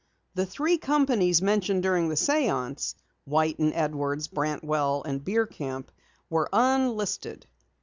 The three companies mentioned during the séance, White and Edwards, Brantwell, and Bierkamp, were unlisted.